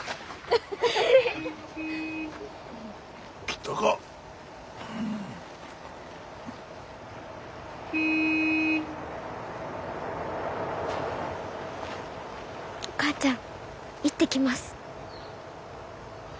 ・来たか。お母ちゃん行ってきます。